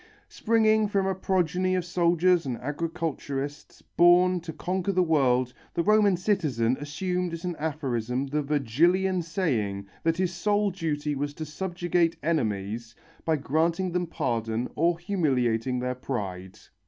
Springing from a progeny of soldiers and agriculturists, born to conquer the world, the Roman citizen assumed as an aphorism the Virgilian saying that his sole duty was to subjugate enemies, by granting them pardon or humiliating their pride.